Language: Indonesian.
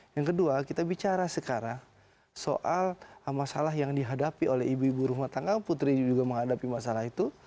yang kedua kita bicara sekarang soal masalah yang dihadapi oleh ibu ibu rumah tangga putri juga menghadapi masalah itu